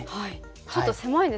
ちょっと狭いですもんね。